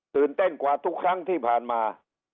เต้นกว่าทุกครั้งที่ผ่านมา